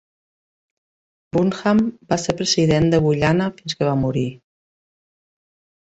Burnham va ser president de Guyana fins que va morir.